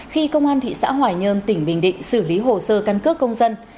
khi công an thị xã hoài nhơn tỉnh bình định xử lý hồ sơ căn cước công dân